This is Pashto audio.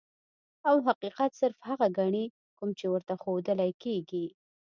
او حقيقت صرف هغه ګڼي کوم چې ورته ښودلے کيږي -